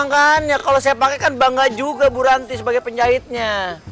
makanya kalau saya pakai kan bangga juga bu ranti sebagai penjahitnya